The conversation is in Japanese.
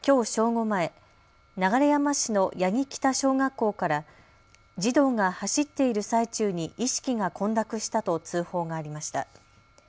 午前、流山市の八木北小学校から児童が走っている最中に意識が混濁したと通報がありました。